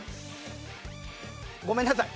ごめんなさい。